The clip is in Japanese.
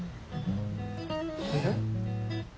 えっ？